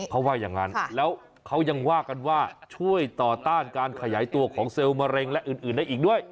เขาว่าอย่างนั้นแล้วเขายังว่ากันว่าช่วยต่อต้านการขยายตัวของเซลล์มะเร็งและอื่นได้อีกด้วย